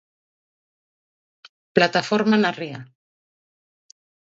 Plataforma na ría.